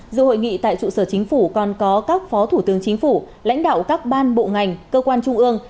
dù hội nghị tại trụ sở chính phủ còn có các phó thủ tướng chính phủ lãnh đạo các ban bộ ngành cơ quan trung ương